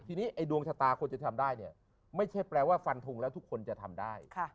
ทีนี้ไอ้ดวงชะตาคนจะทำได้เนี่ยไม่ใช่แปลว่าฟันทงแล้วทุกคนจะทำได้